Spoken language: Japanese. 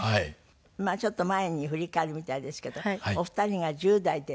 まあちょっと前に振り返るみたいですけどお二人が１０代で。